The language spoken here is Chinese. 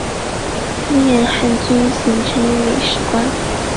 历任汉军巡城理事官。